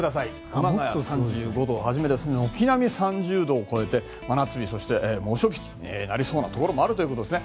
熊谷の３５度をはじめ軒並み３０度を超えて真夏日そして猛暑日となりそうなところもあるということです。